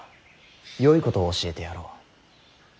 よいことを教えてやろう。